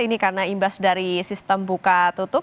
ini karena imbas dari sistem buka tutup